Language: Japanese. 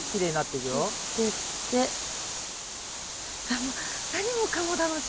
いやもう何もかも楽しい。